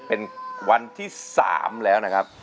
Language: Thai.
เป็นวันที่๓แล้วนะครับ